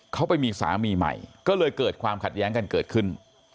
เขาไปมีสามีใหม่ก็เลยเกิดความขัดแย้งกันเกิดขึ้น